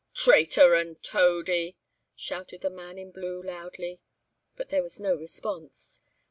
"Traitor and toady!" shouted the man in blue loudly; but there was no response.